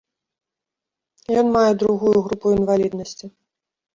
Ён мае другую групу інваліднасці.